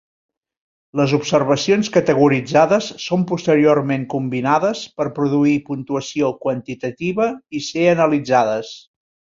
Les observacions categoritzades són posteriorment combinades per produir puntuació quantitativa i ser analitzades.